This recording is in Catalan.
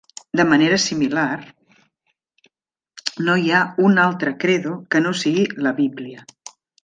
De manera similar, no hi ha un altre credo que no sigui la Bíblia.